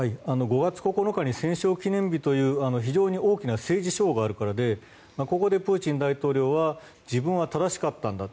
５月９日に戦勝記念日という大きな政治ショーがあるからでここでプーチン大統領は自分は正しかったんだ